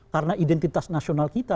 karena identitas nasional kita